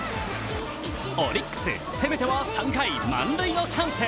オリックス、攻めては３回満塁のチャンス。